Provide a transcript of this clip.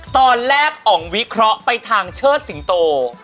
ตอนแรกอ๋องวิเคราะห์ไปทางเชิดสิงโต